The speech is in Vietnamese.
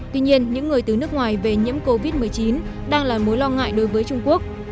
tuy nhiên những người từ nước ngoài về nhiễm covid một mươi chín đang là mối lo ngại đối với trung quốc